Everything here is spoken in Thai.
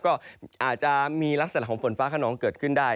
ก็อาจจะมีลักษณะของฝนฟ้าขนองเกิดขึ้นได้